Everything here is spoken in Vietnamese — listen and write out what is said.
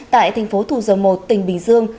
tại thành phố thù dầu một tỉnh bình dương